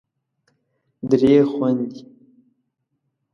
درې خوندې